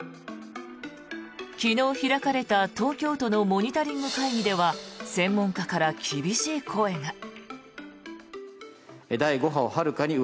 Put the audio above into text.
昨日開かれた東京都のモニタリング会議では専門家から厳しい声が。